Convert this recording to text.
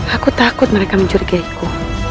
aku takut mereka mencurigaiku